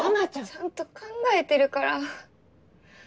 ちゃんと考えてるから。